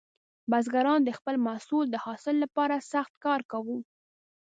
بزګران د خپل محصول د حاصل لپاره سخت کار کاوه.